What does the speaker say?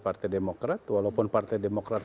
partai demokrat walaupun partai demokrat